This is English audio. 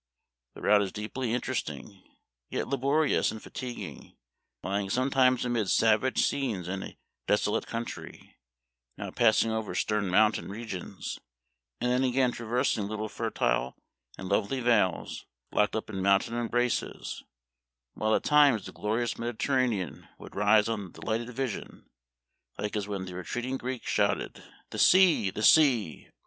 The route is deeply interesting, yet laborious and fatiguing, lying sometimes amid savage scenes and a deso late country, now passing over stern mountain regions, and then again traversing little fertile and lovely vales locked up in mountain embraces, while at times the glorious Mediterranean would rise on the delighted vision like as when the retreating Greeks shouted, " The Sea, the Sea